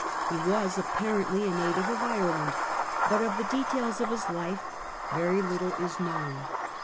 He was apparently a native of Ireland, but of the details of his life very little is known.